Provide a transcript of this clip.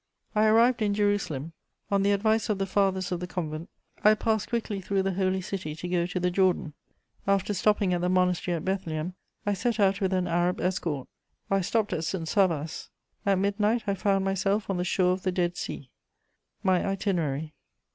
I arrived in Jerusalem. On the advice of the Fathers of the convent, I passed quickly through the Holy City to go to the Jordan. After stopping at the monastery at Bethlehem, I set out with an Arab escort; I stopped at St. Sabas. At midnight, I found myself on the shore of the Dead Sea. MY ITINERARY.